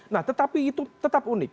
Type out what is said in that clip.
nah tetapi itu tetap unik